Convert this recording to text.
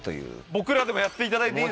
僕らでもやっていただいていい？